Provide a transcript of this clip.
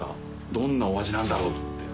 どんなお味なんだろうって。